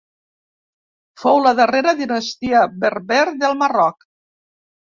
Fou la darrera dinastia berber del Marroc.